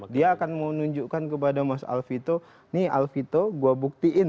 dia akan menunjukkan kepada mas alvito nih alfito gue buktiin